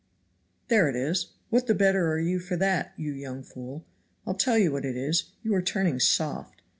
"There it is what the better are you for that, you young fool? I'll tell you what it is, you are turning soft.